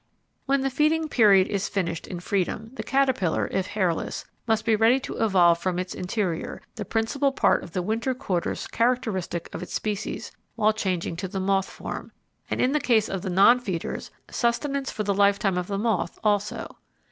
When the feeding period is finished in freedom, the caterpillar, if hairless, must be ready to evolve from its interior, the principal part of the winter quarters characteristic of its species while changing to the moth form, and in the case of non feeders, sustenance for the lifetime of the moth also.